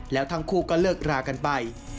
แล้วทั้งคู่ก็เลิกรากันไป